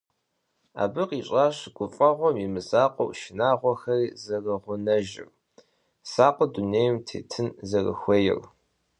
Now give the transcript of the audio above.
Абы къищӀащ гуфӀэгъуэм и мызакъуэу шынагъуэхэри зэрыгъунэжыр, сакъыу дунейм тетын зэрыхуейр.